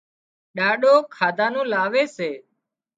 ڏاڏو کاڌا نُون لاوي سي